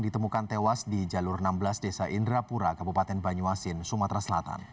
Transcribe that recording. ditemukan tewas di jalur enam belas desa indrapura kabupaten banyuasin sumatera selatan